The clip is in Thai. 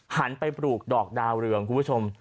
หันไปปลูกดอกดาวเรืองคุณผู้ชม